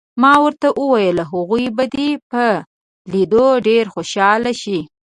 ما ورته وویل: هغوی به دې په لیدو ډېر خوشحاله شي.